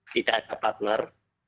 tidak ada partner